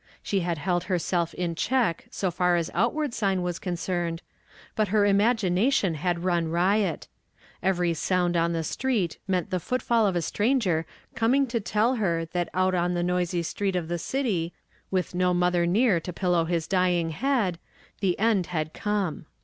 She had held herself in check so far as outward sign was concerned, but her iuui gination had run riot. Every sound on the street meant the footfall of a messenger coming to tell her that out on the noisy street of the city, with no mother near to pillow his dying head, the end had come.